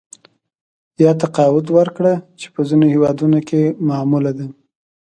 یا تقاعد ورکړه چې په ځینو هېوادونو کې معموله ده